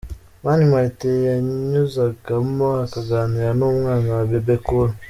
Mani Martin yanyuzagamo akaganira n'umwana wa Bebe Cool.